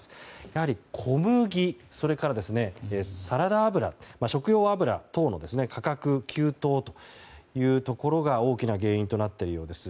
やはり小麦、それからサラダ油食用油等の価格急騰というところが大きな原因となっているようです。